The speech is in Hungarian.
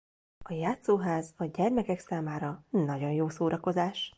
A játszóház a gyermekek számára nagyon jó szórakozás.